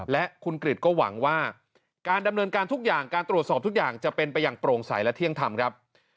และคุณกริจก็หวังว่าการดำเนินการทุกอย่างการตรวจสอบทุกอย่างจะเป็นไปอย่างโปร่งใสและเที่ยงธรรมครับ